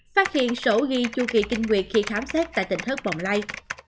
phát hiện sổ ghi chu kỳ kinh nguyệt khi khám xét tại tỉnh thất bọng lây